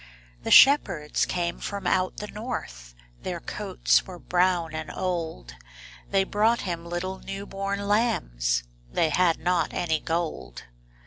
The shepherds came from out the north, Their coats were brown and old, They brought Him little new born lambs They had not any gold.